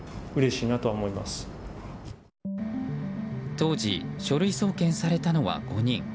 当時、書類送検されたのは５人。